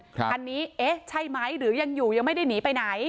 คันนี้เอ๊ะใช่ไหมหรือยังอยู่ยังไม่ได้หนีไปไหน